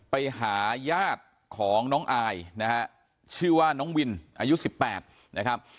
ไปหาญาติของน้องอายนะฮะชื่อว่าน้องวินอายุ๑๘นะครับ